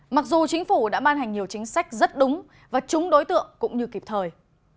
mặc dù chính phủ đã ban hành nhiều chính sách rất đúng và trúng đối tượng cũng như kịp thời